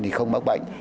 thì không mắc bệnh